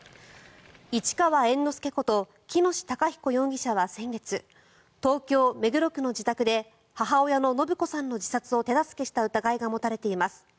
市川猿之助こと喜熨斗孝彦容疑者は先月東京・目黒区の自宅で母親の延子さんの自殺を手助けした疑いが持たれています。